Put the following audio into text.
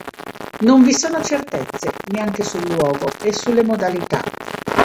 Non vi sono certezze neanche sul luogo e sulle modalità.